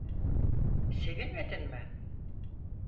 Sevinmedin mi?